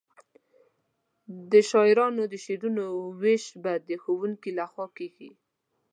د شاعرانو د شعرونو وېش به د ښوونکي له خوا کیږي.